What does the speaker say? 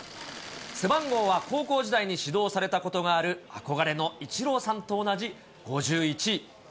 背番号は、高校時代に指導されたことがある憧れのイチローさんと同じ５１。